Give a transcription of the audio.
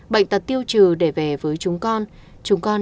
bệnh tật tiêu trừ để về với chúng con